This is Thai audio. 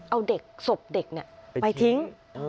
เอาเด็กศพเด็กเนี่ยไปทิ้ง